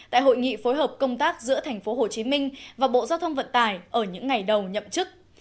tại hội nghị phối hợp công tác giữa tp hcm và bộ giao thông vận tải ở những ngày đầu nhậm chức